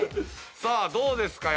さあどうですか？